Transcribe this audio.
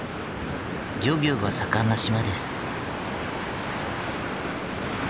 漁業が盛んな島です。